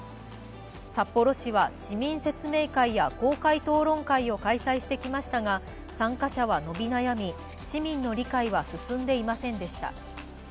札幌市は市民説明会や公開討論会を開催してきましたが参加者は伸び悩み市民の理解は進んでいませんでした。